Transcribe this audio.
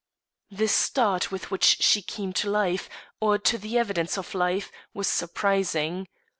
The start with which she came to life, or to the evidence of life, was surprising.